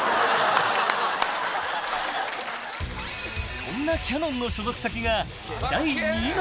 ［そんなキャノンの所属先が］